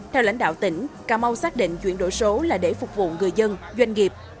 theo lãnh đạo tỉnh cà mau xác định chuyển đổi số là để phục vụ người dân doanh nghiệp